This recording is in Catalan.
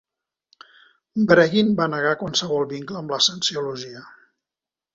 Breggin va negar qualsevol vincle amb la Cienciologia.